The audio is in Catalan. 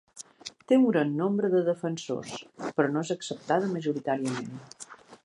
Té un gran nombre de defensors, però no és acceptada majoritàriament.